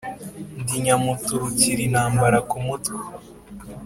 ndi nyamuturukira intambara ku mutwe